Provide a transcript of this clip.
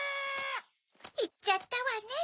いっちゃったわね。